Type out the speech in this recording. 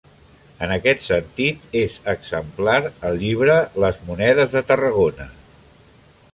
En aquest sentit és exemplar el llibre Les monedes de Tarragona.